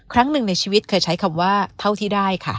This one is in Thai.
ครั้งหนึ่งในชีวิตเคยใช้คำว่าเท่าที่ได้ค่ะ